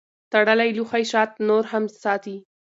تړلی لوښی شات نور هم ساتي.